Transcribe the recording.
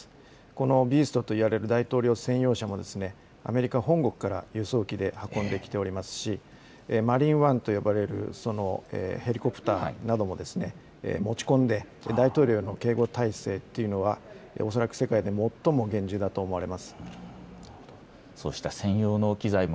このビーストといわれる大統領専用車も、アメリカ本国から輸送機で運んできておりますし、マリーン・ワンと呼ばれるヘリコプターなども持ち込んで大統領の警護態勢というのは恐らく世界で最も厳重だと思われます。